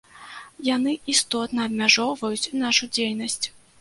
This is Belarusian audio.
Яны істотна абмяжоўваюць нашу дзейнасць.